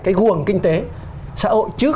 cái guồng kinh tế xã hội